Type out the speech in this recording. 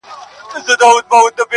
چي هر ځای به یو قاتل وو دی یې یار وو،